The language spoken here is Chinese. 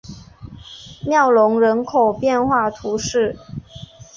穆龙人口变化图示